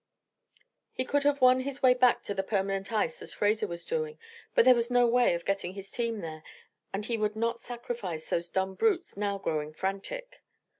He could have won his way back to the permanent ice as Fraser was doing, but there was no way of getting his team there and he would not sacrifice those dumb brutes now growing frantic.